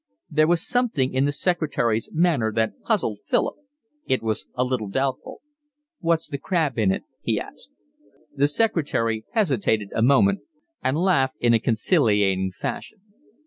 There was something in the secretary's manner that puzzled Philip. It was a little doubtful. "What's the crab in it?" he asked. The secretary hesitated a moment and laughed in a conciliating fashion.